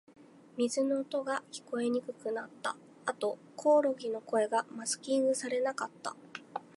水の音が、聞こえにくくなった。あと、コオロギの声がマスキングされなかった。